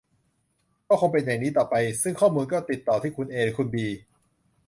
ก็คงเป็นอย่างนี้ต่อไป ซึ่งข้อมูลก็ติดต่อที่คุณเอ หรือคุณบี